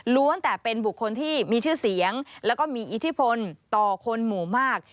แต่เป็นบุคคลที่มีชื่อเสียงแล้วก็มีอิทธิพลต่อคนหมู่มาก